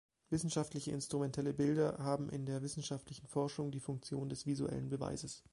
Wissenschaftliche instrumentelle Bilder haben in der wissenschaftlichen Forschung die Funktion des visuellen Beweises.